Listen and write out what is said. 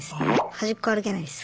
端っこ歩けないです。